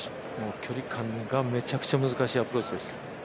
距離感がめちゃくちゃ難しいアプローチです。